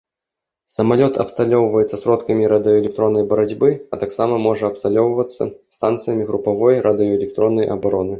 Самалёт абсталёўваецца сродкамі радыёэлектроннай барацьбы, а таксама можа абсталёўвацца станцыямі групавой радыёэлектроннай абароны.